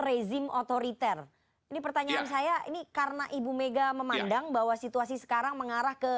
rezim otoriter ini pertanyaan saya ini karena ibu mega memandang bahwa situasi sekarang mengarah ke